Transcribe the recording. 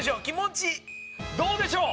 どうでしょう？